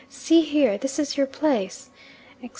See here. This is your place," etc.